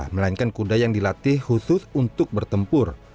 melainkan kuda yang dilatih khusus untuk bertempur